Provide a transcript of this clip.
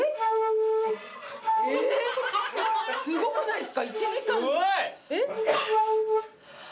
すごくないですか１時間。